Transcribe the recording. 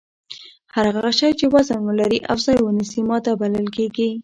هر هغه شی چې وزن ولري او ځای ونیسي ماده بلل کیږي